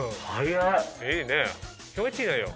いいね気持ちいいのよ。